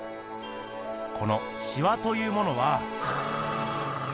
このしわというものは。